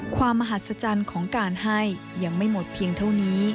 ความมหัศจรรย์ของการให้ยังไม่หมดเพียงเท่านี้